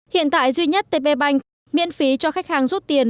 hiện tại duy nhất tp bank miễn phí cho khách hàng rút tiền